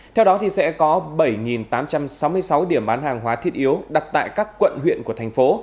theo đó sẽ có bảy tám trăm sáu mươi sáu điểm bán hàng hóa thiết yếu đặt tại các quận huyện của thành phố